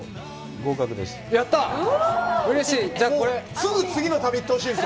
合格です。